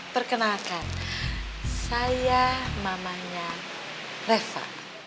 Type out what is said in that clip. perkenalkan saya mamanya reva